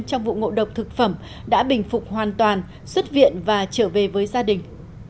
trong vụ ngộ độc thực phẩm đã bình phục hoàn toàn xuất viện và trở về với gia đình